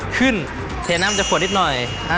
ขึ้นเทน้ำจากขวดนิดหน่อย